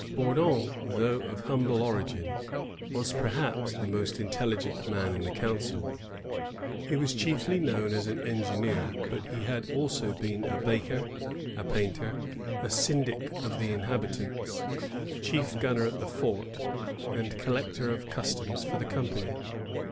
Bourdon, though of humble origin, was, perhaps, the most intelligent man in the council. He was chiefly known as an engineer, but he had also been a baker, a painter, a syndic of the inhabitants, chief gunner at the fort, and collector of customs for the company.